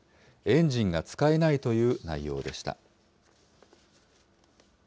エンジンが使えないという内容でした。